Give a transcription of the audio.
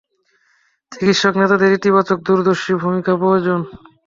চিকিৎসক নেতাদের ইতিবাচক দূরদর্শী ভূমিকা প্রয়োজন।